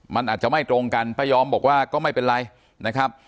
มันอาจจะไม่ตรงกันป้ายอมบอกว่าก็ไม่เป็นไรนะครับ